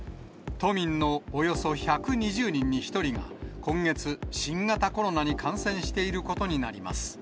都民のおよそ１２０人に１人が、今月、新型コロナに感染していることになります。